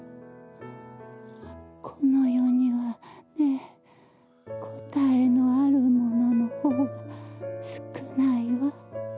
この世にはね答えのあるものの方が少ないわ。